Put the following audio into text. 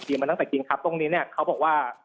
มาตั้งแต่จริงครับตรงนี้เนี่ยเขาบอกว่า